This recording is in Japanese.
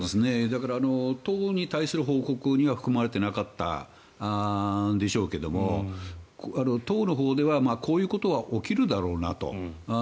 だから、党に対する報告には含まれていなかったでしょうけど党のほうではこういうことは起きるだろうなと。